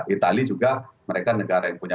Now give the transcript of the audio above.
itali juga mereka negara yang punya